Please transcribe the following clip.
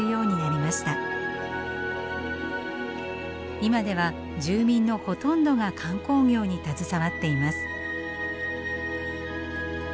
今では住民のほとんどが観光業に携わっています。